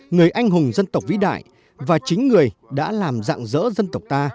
người anh hùng dân tộc vĩ đại và chính người đã làm dạng dỡ dân tộc ta